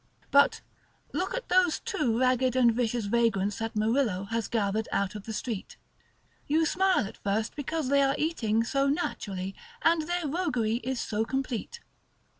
But look at those two ragged and vicious vagrants that Murillo has gathered out of the street. You smile at first, because they are eating so naturally, and their roguery is so complete.